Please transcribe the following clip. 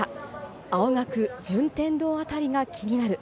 青学、順天堂あたりが気になる。